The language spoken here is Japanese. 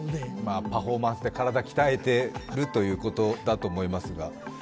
パフォーマンスで体を鍛えているということかと思いますが。